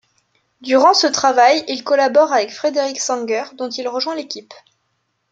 Durant ce travail il collabore avec Frederick Sanger dont il rejoint l'équipe.